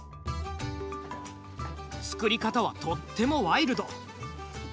作り方はとってもワイルド。